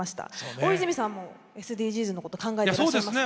大泉さんもＳＤＧｓのこと考えてらっしゃいますか？